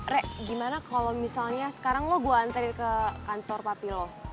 re gimana kalau misalnya sekarang lo gue anterin ke kantor papi lo